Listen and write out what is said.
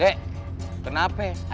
dek kenapa ya